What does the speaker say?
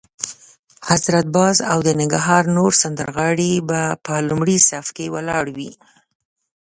حضرت باز او د ننګرهار نور سندرغاړي به په لومړي صف کې ولاړ وي.